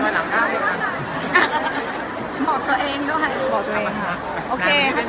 มานี้ไม่ใช่งานเหรอครับ